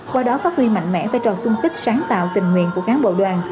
qua đó phát huy mạnh mẽ và tròn sung kích sáng tạo tình nguyện của cán bộ đoàn